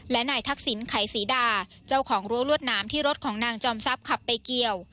และนายทักษิณไขศรีดาเจ้าของรั้วรวดหนามที่รถของนางจอมทรัพย์ขับไปเกี่ยว